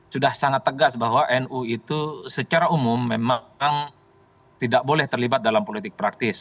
sudah sangat tegas bahwa nu itu secara umum memang tidak boleh terlibat dalam politik praktis